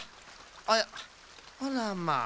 あっあらまあ